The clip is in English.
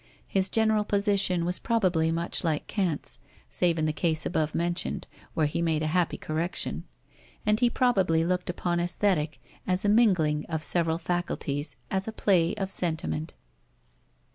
His general position was probably much like Kant's (save in the case above mentioned, where he made a happy correction), and he probably looked upon Aesthetic as a mingling of several faculties, as a play of sentiment.